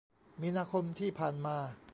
มีนาคมที่ผ่านมา